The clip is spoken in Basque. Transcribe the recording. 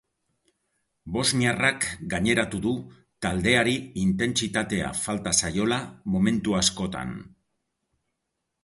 Bosniarrak gaineratu du taldeari intentsitatea falta zaiola momentu askotan.